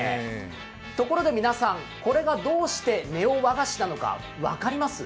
ところで、皆さん、これがどうしてネオ和菓子なのか、分かります？